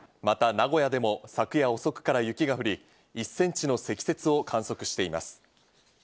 また名古屋でも昨夜遅くから雪が降り、１ｃｍの積雪を観測しています。